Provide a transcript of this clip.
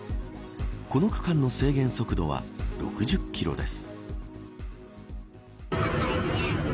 この区間の制限速度は６０キロです。